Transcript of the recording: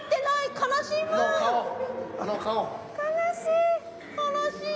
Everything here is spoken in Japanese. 悲しい！